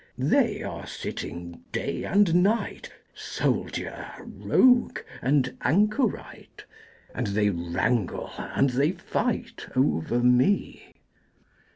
They are sitting day and night Soldier, rogue, and anchorite; And they wrangle and they fight Over me.